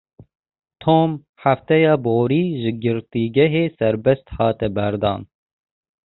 Tom hefteya borî ji girtîgehê serbest hate berdan.